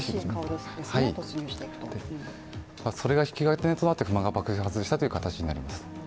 それが引き金となって、不満が爆発したという形になります。